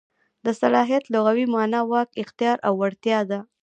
د صلاحیت لغوي مانا واک، اختیار او وړتیا ده.